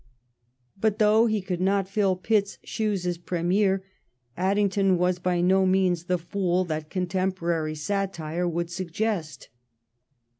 But though he could not fill Pitt's shoes as Premier, Addington was by no means the fool that contemporaiy satire would suggest.